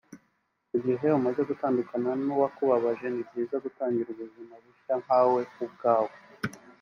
Mu gihe umaze gutandukana n’uwakubabaje ni byiza gutangira ubuzima bushya nkawe ubwawe